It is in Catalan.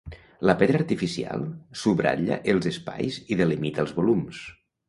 La pedra artificial subratlla els espais i delimita els volums.